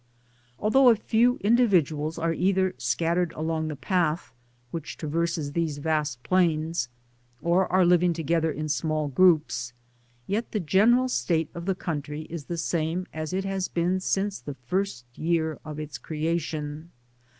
Although a few individuals are either scattered along the path which traverses these vast plains, or are living together in small groups, yet the general state of the country is the same as it has Digitized byGoogk OP THE PAMPAS. . O • been since the first year of its creation.